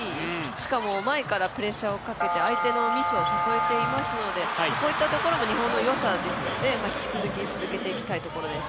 しかも前からプレッシャーをかけて、相手のミスを誘えていますのでこういったところも日本のよさですので引き続き続けていきたいところです。